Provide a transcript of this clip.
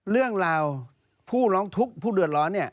เรื่องราวผู้ร้องทุกข์ผู้เดือดร้อนเนี่ย